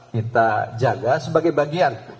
kita jaga sebagai bagian